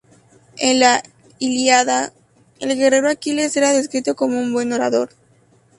En la "Ilíada", el guerrero Aquiles era descrito como un buen orador.